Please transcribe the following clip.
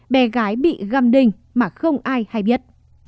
bé gái bị găm đình mà không ai hay biết